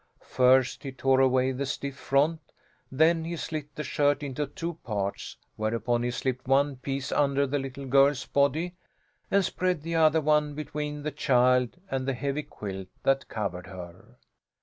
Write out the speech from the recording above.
First he tore away the stiff front, then he slit the shirt into two parts, whereupon he slipped one piece under the little girl's body, and spread the other one between the child and the heavy quilt that covered her.